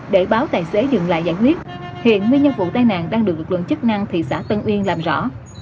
lại giải quyết hiện nguyên nhân vụ tai nạn đang được lực lượng chức năng thị xã tân uyên làm rõ